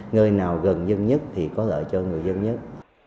nơi nào gần dân nhất thì có lợi cho người dân nhất